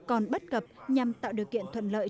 còn bất cập nhằm tạo điều kiện thuận lợi